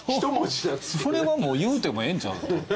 それはもう言うてもええんちゃうの？